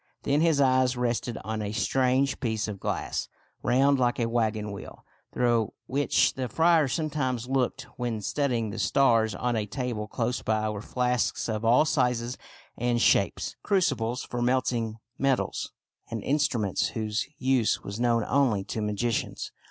Then his eyes rested on a strange piece of glass, round like a wagon wheel, through which the friar sometimes looked when studying the stars. On a table close by were flasks of all sizes and shapes, crucibles for melting metals, and instruments whose use was known only to magicians.